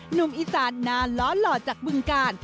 หนุ่มอิสานนานล้อจากบึงการ